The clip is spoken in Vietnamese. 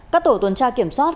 các tổ tuần tra kiểm soát